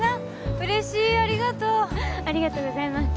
嬉しいありがとうありがとうございます